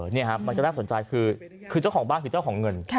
นี่ครับมันก็น่าสนใจคือเจ้าของบ้านคือเจ้าของเงิน